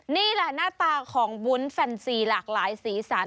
นี่แหละหน้าตาของวุ้นแฟนซีหลากหลายสีสัน